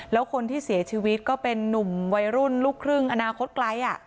แล้วคนที่เสียชีวิตก็เป็นนุ่มวัยรุ่นลูกครึ่งอนาคตไกล